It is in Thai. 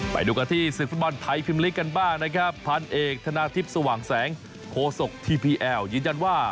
ไปดูกันที่ศึกฟุตบอลไทยพิมลิกกันบ้างนะครับพันเอกธนาทิพย์สว่างแสงโคศกทีพีแอลยืนยันว่า